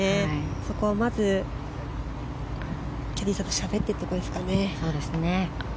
そこをまずキャディーさんとしゃべっているところですかね。